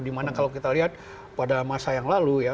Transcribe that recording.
dimana kalau kita lihat pada masa yang lalu ya